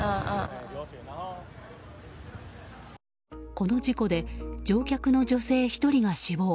この事故で乗客の女性１人が死亡。